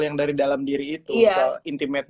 yang dari dalam diri itu intimate